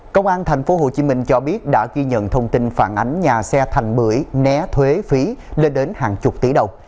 công an tp hcm cho biết đã ghi nhận thông tin phản ánh nhà xe thành bưởi né thuế phí lên đến hàng chục tỷ đồng